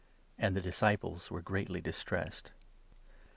And the disciples were greatly distressed.